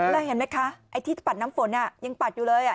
ได้เห็นมั้ยคะไอ้ที่ปัดน้ำฝนอ้ะยังปัดอยู่เลยอ่า